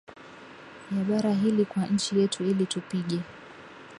ya bara hili Kwa nchi yetu ili tupige